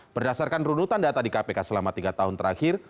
berdasarkan runutan data di kpk selama tiga tahun terakhir